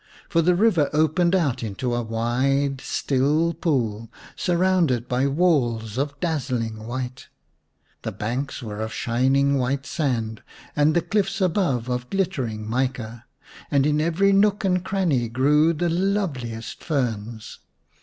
For the river opened out into a wide, still pool, surrounded by walls of dazzling white. The banks were of shining white sand and the cliffs above of glittering mica, and in every nook and cranny grew the loveliest ferns.